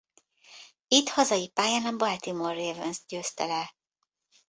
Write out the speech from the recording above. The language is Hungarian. Itt hazai pályán a Baltimore Ravenst győzte le.